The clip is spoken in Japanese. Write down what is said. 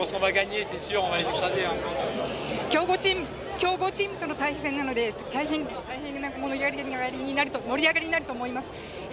強豪チームとの対戦なので大変な盛り上がりになると思います。